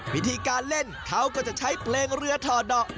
วิธีการเล่นเขาก็จะใช้เพลงเรือถ่อดอก